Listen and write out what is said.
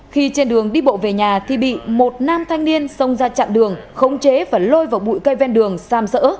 khi trên đường đi bộ về nhà thì bị một nam thanh niên xông ra chặn đường khống chế và lôi vào bụi cây ven đường xam sỡ